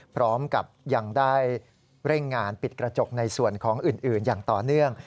พร้อมกับยังได้เร่งงานปิดกระจกในส่วนของอื่นอย่างต่อเนื่อง